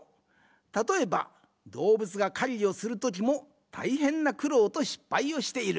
たとえばどうぶつがかりをするときもたいへんなくろうと失敗をしている。